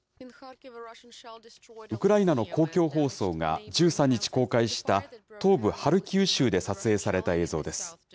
ウクライナの公共放送が１３日公開した、東部ハルキウ州で撮影された映像です。